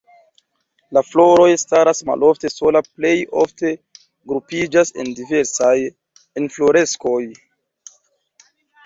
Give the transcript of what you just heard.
La floroj staras malofte sola, plej ofte grupiĝas en diversaj infloreskoj.